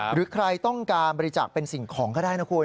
หรือใครต้องการบริจาคเป็นสิ่งของก็ได้นะคุณ